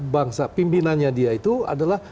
bangsa pimpinannya dia itu adalah